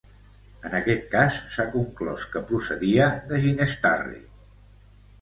En aquest cas, s'ha conclòs que procedia de Ginestarre.